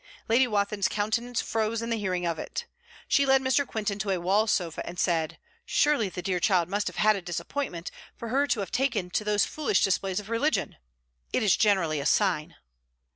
Lady Wathin's countenance froze in hearing of it. She led Mr. Quintin to a wall sofa, and said: 'Surely the dear child must have had a disappointment, for her to have taken to those foolish displays of religion! It is generally a sign.'